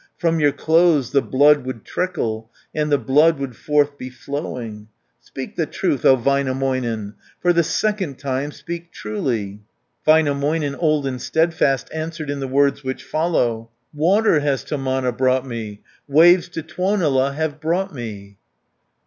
From your clothes the blood would trickle, And the blood would forth be flowing. Speak the truth, O Väinämöinen, For the second time speak truly." 210 Väinämöinen, old and steadfast, Answered in the words which follow: "Water has to Mana brought me, Waves to Tuonela have brought me."